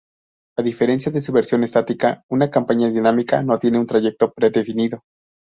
A diferencia de su versión estática, una campaña dinámica no tiene un trayecto predefinido.